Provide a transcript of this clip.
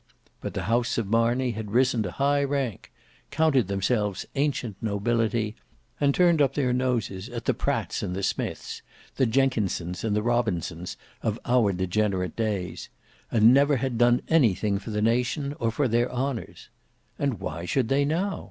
But the house of Marney had risen to high rank; counted themselves ancient nobility; and turned up their noses at the Pratts and the Smiths, the Jenkinsons and the Robinsons of our degenerate days; and never had done anything for the nation or for their honours. And why should they now?